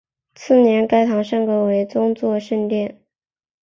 次年该堂升格为宗座圣殿。